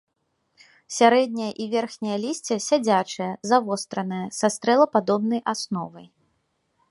Сярэдняе і верхняе лісце сядзячае, завостранае, са стрэлападобнай асновай.